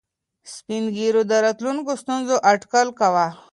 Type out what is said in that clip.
سپین ږیرو د راتلونکو ستونزو اټکل کاوه.